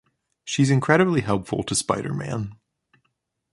She's incredibly helpful to Spider-Man ...